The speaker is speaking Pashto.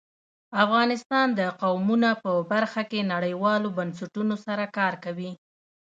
افغانستان د قومونه په برخه کې نړیوالو بنسټونو سره کار کوي.